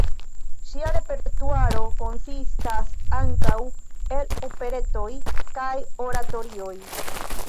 Ŝia repertuaro konsistas ankaŭ el operetoj kaj oratorioj.